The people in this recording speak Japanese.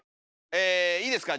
えいいですか？